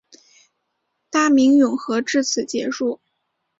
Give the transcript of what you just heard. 大明永和至此结束。